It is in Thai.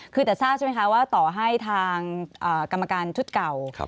คือแต่ทราบใช่ไหมคะว่าต่อให้ทางกรรมการชุดเก่า